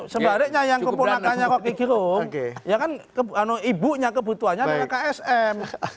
sebaliknya yang keponakannya rocky girung ya kan ibunya kebutuhannya memang ksm